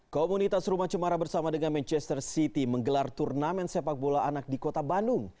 komunitas rumah cemara bersama dengan manchester city menggelar turnamen sepak bola anak di kota bandung